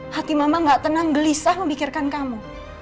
hati mama gak tenang gelisah memikirkan kamu